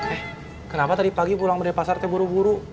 eh kenapa tadi pagi pulang dari pasar terburu buru